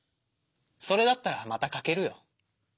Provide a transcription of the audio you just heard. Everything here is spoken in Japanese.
それだったらまた描けるよ。